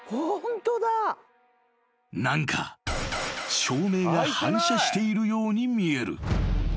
［何か照明が反射しているように見える］